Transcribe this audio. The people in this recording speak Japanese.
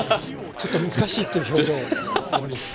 ちょっと難しいっていう表情されました。